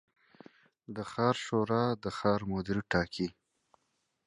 The City Council selects the city manager.